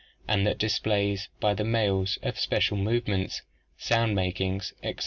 and that displays by the males of special movements, sound makings, etc.